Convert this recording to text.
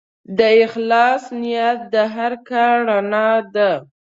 د اخلاص نیت د هر کار رڼا ده.